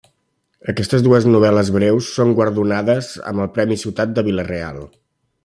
Aquestes dues novel·les breus són guardonades amb el premi Ciutat de Vila-real.